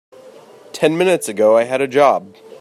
Ten minutes ago I had a job.